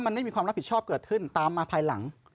มันไม่มีความรับผิดชอบเกิดขึ้นตามมาภายหลัง